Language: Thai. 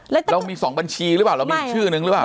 แล้วมีสองบัญชีหรือเปล่าแล้วมีชื่อนึงหรือเปล่า